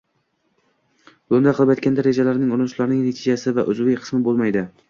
lo‘nda qilib aytganda, rejalarning, urinishlarning natijasi va uzviy qismi bo‘lmaydi